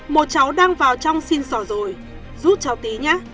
một cháu đang vào trong xin sỏ rồi giúp cháu tí nhá